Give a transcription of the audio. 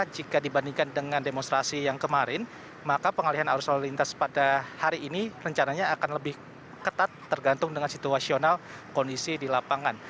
jika dibandingkan dengan demonstrasi yang kemarin maka pengalihan arus lalu lintas pada hari ini rencananya akan lebih ketat tergantung dengan situasional kondisi di lapangan